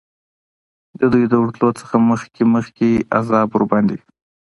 د دوی د ورتلو نه مخکي مخکي عذاب ورباندي